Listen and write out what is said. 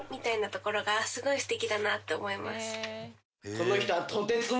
この人は。